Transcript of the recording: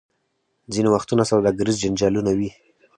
ځینې وختونه سوداګریز جنجالونه وي.